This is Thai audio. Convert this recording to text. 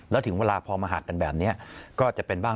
แล้วถึงเวลาพอมาหัดกันแบบนี้ก็จะเป็นบ้าง